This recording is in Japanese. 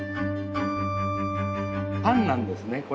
パンなんですね。